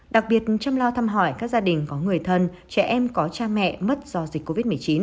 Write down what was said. đặc biệt chăm lo thăm hỏi các gia đình có người thân trẻ em có cha mẹ mất do dịch covid một mươi chín